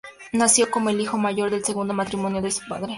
Nació como el hijo mayor del segundo matrimonio de su padre.